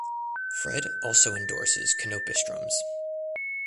Fred also endorses Canopus drums.